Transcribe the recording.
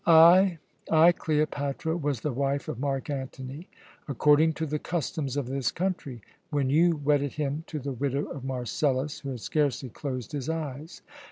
I I, Cleopatra, was the wife of Mark Antony according to the customs of this country, when you wedded him to the widow of Marcellus, who had scarcely closed his eyes.